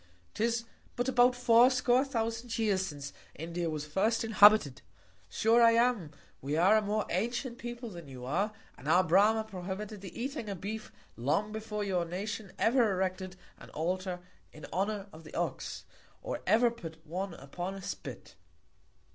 'Tis but about fourscore thousand Years, since India was first inhabited. Sure I am, we are a more antient People than you are, and our Brama prohibited the eating of Beef long before your Nation ever erected an Altar in Honour of the Ox, or ever put one upon a Spit.